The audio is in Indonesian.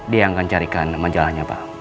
dia yang akan carikan majalahnya pak